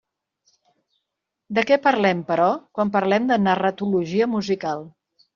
De què parlem, però, quan parlem de narratologia musical?